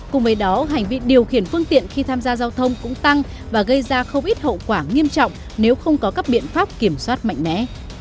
cùng với đó hành vi điều khiển phương tiện khi tham gia giao thông cũng tăng và gây ra không ít hậu quả nghiêm trọng nếu không có các biện pháp kiểm soát mạnh mẽ